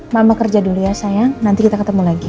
mama kerja dulu ya sayang nanti kita ketemu lagi